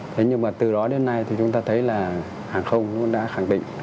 thế nhưng mà từ đó đến nay thì chúng ta thấy là hàng không cũng đã khẳng định